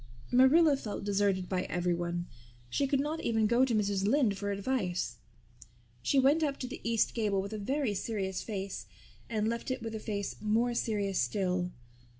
Marilla felt deserted by everyone. She could not even go to Mrs. Lynde for advice. She went up to the east gable with a very serious face and left it with a face more serious still.